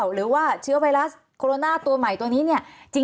หรือว่าเชื้อไวรัสโคโรนาตัวใหม่ตัวนี้เนี่ย